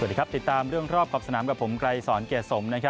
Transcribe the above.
สวัสดีครับติดตามเรื่องรอบขอบสนามกับผมไกรสอนเกรดสม